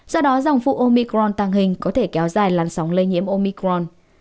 do đó dòng phụ omicron tăng hình có thể kéo dài làn sóng lây nhiễm omicron